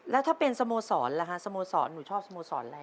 แล้วถ้าเป็นสโมสรล่ะคะสโมสรหนูชอบสโมสรอะไร